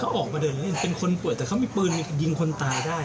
เขาออกมาเดินเล่นเป็นคนเปิดแต่เขามีปืนยิงคนตายได้